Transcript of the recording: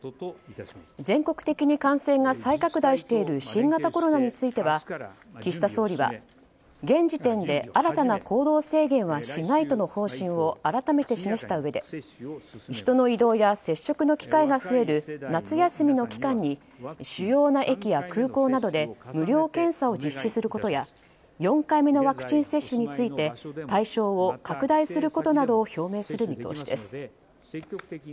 全国的に感染が再拡大している新型コロナについて、岸田総理は現時点で新たな行動制限はしないとの方針を改めて示したうえで人の移動や接触の機会が増える夏休みの期間に主要な駅や空港などで無料検査を実施することや４回目のワクチン接種について対象を拡大することなどを表明する見通しです。